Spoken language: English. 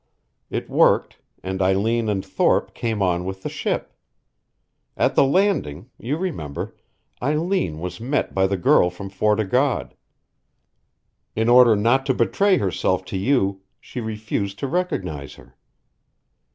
It worked, and Eileen and Thorpe came on with the ship. At the landing you remember Eileen was met by the girl from Fort o' God. In order not to betray herself to you she refused to recognize her.